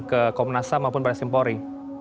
ke komnas ham maupun barat simpori